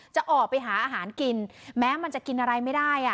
จะออกไปหาอาหารกินแม้มันจะกินอะไรไม่ได้